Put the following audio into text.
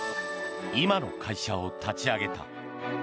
今の会社を立ち上げた。